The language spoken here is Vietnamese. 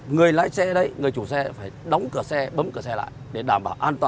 người lái xe đấy người chủ xe phải đóng cửa xe bấm cửa xe lại để đảm bảo